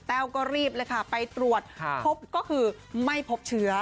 ก็รีบเลยค่ะไปตรวจพบก็คือไม่พบเชื้อ